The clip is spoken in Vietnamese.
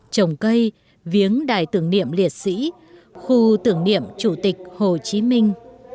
trồng cây viếng đài tưởng niệm liệt sĩ khu tưởng niệm chủ tịch hồ chí minh